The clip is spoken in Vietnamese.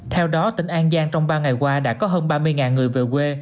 theo đó tỉnh an giang trong ba ngày qua đã có hơn ba mươi người về quê